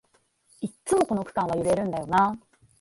いっつもこの区間は揺れるんだよなあ